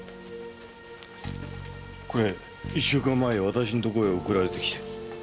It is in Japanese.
これ１週間前私んとこへ送られてきて。